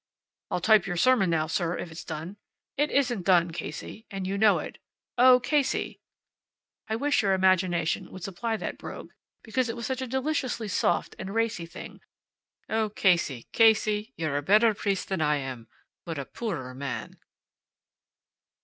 "I'll type your sermon now, sir if it's done." "It isn't done, Casey. And you know it. Oh, Casey," (I wish your imagination would supply that brogue, because it was such a deliciously soft and racy thing) "Oh, Casey, Casey! you're a better priest than I am but a poorer man."